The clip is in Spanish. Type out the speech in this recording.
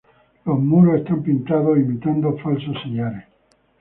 Los muros están pintados, imitando falsos sillares.